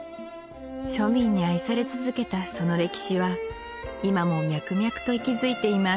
庶民に愛され続けたその歴史は今も脈々と息づいています